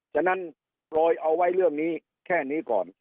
ฉะนั้นโปรยเอาไว้เรื่องนี้แค่นี้ก่อน